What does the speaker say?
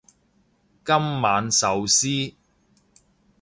今晚壽司